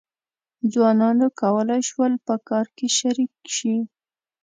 ځوانانو کولای شول په کار کې شریک شي.